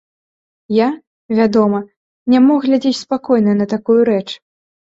Я, вядома, не мог глядзець спакойна на такую рэч.